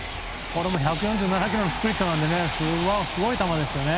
これも１４７キロのスプリットなのですごい球ですね。